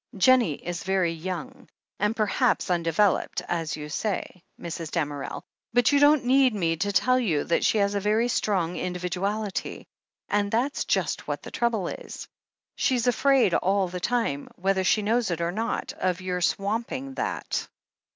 "Jennie is very young, and perhaps undeveloped, as you say, Mrs. Damerel, but you don't heed me to tell you that she has a very strong individuality. And that's just what the trouble is. She's afraid all the time, whether she knows it or not, of your swamping that.